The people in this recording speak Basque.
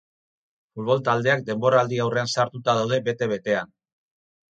Futbol taldeak denboraldi-aurrean sartuta daude bete-betean.